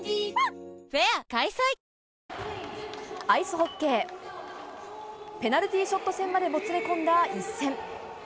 アイスホッケーペナルティーショット戦までもつれ込んだ一戦。